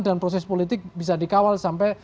dan proses politik bisa dikawal sampai